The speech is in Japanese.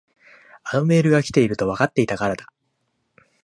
あのメールが来ているとわかっていたからだ。